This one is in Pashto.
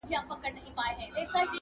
پاس د مځکي پر سر پورته عدالت دئ٫